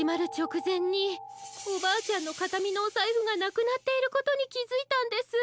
くぜんにおばあちゃんのかたみのおサイフがなくなっていることにきづいたんです。